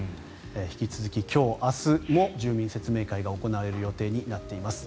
引き続き、今日明日も住民説明会が行われる予定となっています。